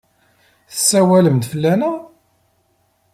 Tessawalem-d fell-aneɣ?